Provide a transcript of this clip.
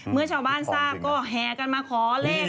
เมื่อชาวบ้านทราบก็แห่กันมาขอเลข